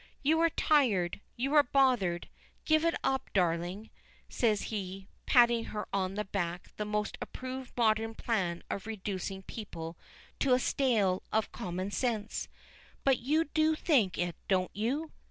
"You are tired; you are bothered. Give it up, darling," says he, patting her on the back, the most approved modern plan of reducing people to a stale of common sense. "But you do think it, don't you?"